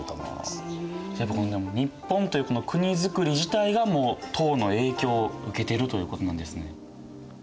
やっぱ日本という国づくり自体がもう唐の影響を受けてるということなんですね。